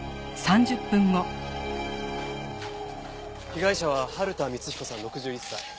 被害者は春田光彦さん６１歳。